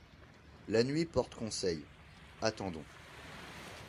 La nuit porte conseil ; attendons.